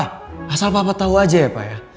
pa asal papa tau aja ya pa ya